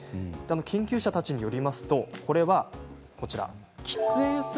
研究者たちによりますと、これはこちらです。